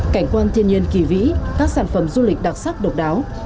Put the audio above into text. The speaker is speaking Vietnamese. cảnh quan thiên nhiên kỳ vĩ các sản phẩm du lịch đặc sắc độc đáo